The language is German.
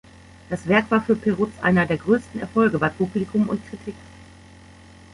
Das Werk war für Perutz einer der größten Erfolge bei Publikum und Kritik.